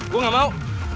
gue gak mau